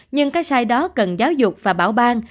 nhưng cái sai đó cần giáo dục và bảo ban